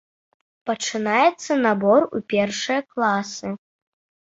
Пачынаецца набор у першыя класы.